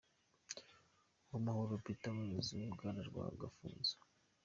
Uwamahoro Peter, Umuyobozi w’Uruganda rwa Gafunzo.